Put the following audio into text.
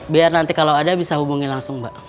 biar nanti kalau ada bisa hubungi langsung mbak